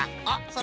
あっ